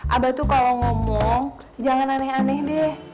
abah tuh kalau ngomong jangan aneh aneh deh